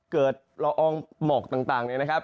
เกิดละอองหมอกต่างเลยนะครับ